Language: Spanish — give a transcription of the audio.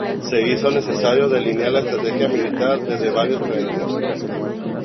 Se hizo necesario delinear la estrategia militar desde varios frentes.